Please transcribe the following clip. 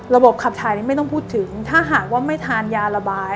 ระบบขับถ่ายนี่ไม่ต้องพูดถึงถ้าหากว่าไม่ทานยาระบาย